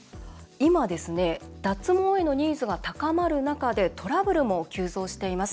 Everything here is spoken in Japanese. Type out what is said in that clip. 今、脱毛へのニーズが高まる中でトラブルも急増しています。